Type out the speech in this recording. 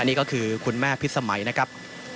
นี่ก็คือคุณแม่พิษสมัยนะครับ